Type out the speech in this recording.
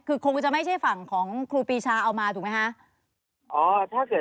คือคงจะไม่ใช่ฝั่งของครูปีชาเอามาถูกไหมคะ